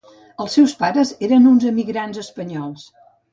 Els seus pares eren uns emigrants espanyols.